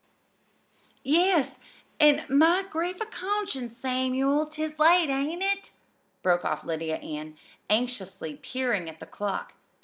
"Yes; an' my grief an' conscience, Samuel! 'tis late, ain't it?" broke off Lydia Ann, anxiously peering at the clock.